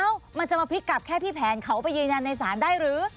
มันจะมาพลิกกลับแค่พี่แผนเขาไปยืนยันในศาลได้หรือ